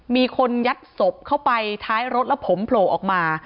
มีคนยัดศพเข้าไปท้ายรถแล้วผมโผล่ออกมา